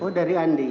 oh dari andi